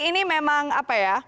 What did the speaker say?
ini memang apa ya